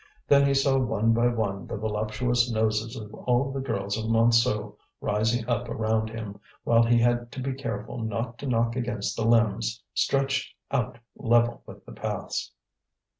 Then he saw one by one the voluptuous noses of all the girls of Montsou rising up around him, while he had to be careful not to knock against the limbs stretched out level with the paths.